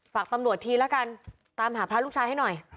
ฝากตำรวจทีละกันตามหาพระลูกชายให้หน่อย